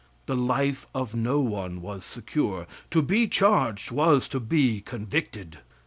The life of no one was secure. To be charged was to be convicted.